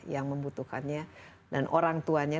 yang membutuhkannya dan orang tuanya